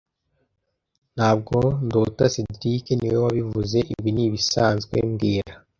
Ntabwo ndota cedric niwe wabivuze Ibi ni ibisanzwe mbwira